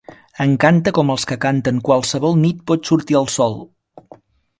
Encanta com els que canten “Qualsevol nit pot sortir el sol”.